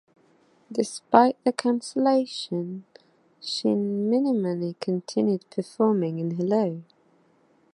Despite the cancellation, Shin Minimoni continued performing in Hello!